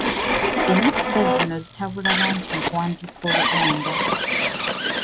Ennukuta zino zitabula bangi mu kuwandiika Oluganda